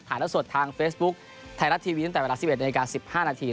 ถ่ายรับสดทางเฟซบุ๊กไทรัตทีวีตั้งแต่เวลา๑๑นาฬิกา๑๕นาที